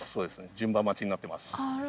順番待ちになってます。